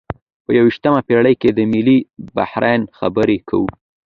په یویشتمه پیړۍ کې د ملي بحران خبره کوو.